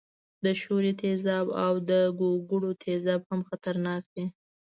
د ښورې تیزاب او د ګوګړو تیزاب هم خطرناک دي.